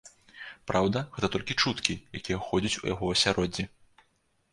Праўда, гэта толькі чуткі, якія ходзяць у яго асяроддзі.